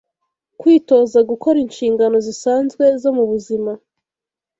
Kwitoza gukora inshingano zisanzwe zo mu buzima